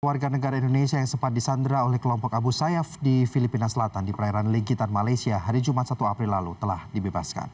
warga negara indonesia yang sempat disandra oleh kelompok abu sayyaf di filipina selatan di perairan ligitan malaysia hari jumat satu april lalu telah dibebaskan